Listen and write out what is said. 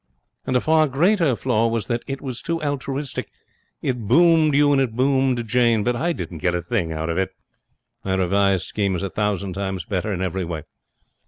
'And a far greater flaw was that it was too altruistic. It boomed you and it boomed Jane, but I didn't get a thing out of it. My revised scheme is a thousand times better in every way.'